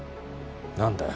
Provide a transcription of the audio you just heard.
何だよ？